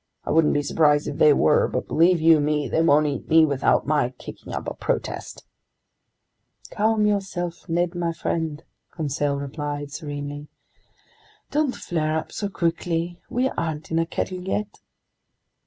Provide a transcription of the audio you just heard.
I wouldn't be surprised if they were, but believe you me, they won't eat me without my kicking up a protest!" "Calm yourself, Ned my friend," Conseil replied serenely. "Don't flare up so quickly! We aren't in a kettle yet!"